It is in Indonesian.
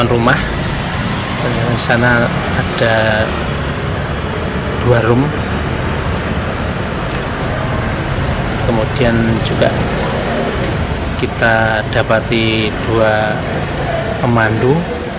rumah kemudian juga kita dapati dua pemandu